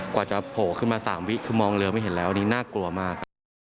กว่าจะโผล่ขึ้นมา๓วิคือมองเรือไม่เห็นแล้วอันนี้น่ากลัวมากครับ